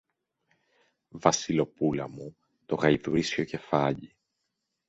Βασιλοπούλα μου, το γαϊδουρίσιο κεφάλι!